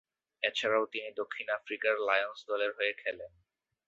এছাড়াও তিনি দক্ষিণ আফ্রিকার লায়ন্স দলের হয়ে খেলেন।